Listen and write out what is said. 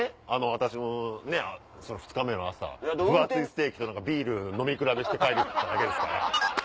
私もね２日目の朝分厚いステーキとビール飲み比べして帰って来ただけですから。